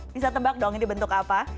bisa tebak dong ini bentuk apa